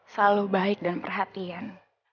selalu baik dan perhatian